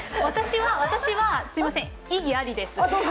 私はすみません、異議ありです。